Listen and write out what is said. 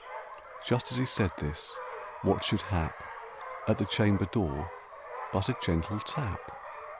Just as he said this, what should hap At the chamber door but a gentle tap?